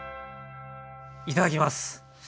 いただきます！